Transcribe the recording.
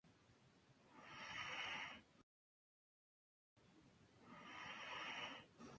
En los albores de la centuria pasada fue posta de diligencias.